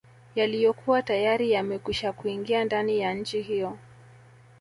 Yaliyokuwa tayari yamekwisha kuingia ndani ya nchi hiyo